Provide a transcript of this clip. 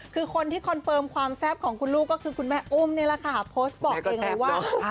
คือคนที่คอนเฟิร์มความแซ่บของคุณลูกคือคุณแม่อุ้มนี่แหละค่ะ